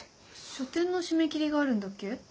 書展の締め切りがあるんだっけ？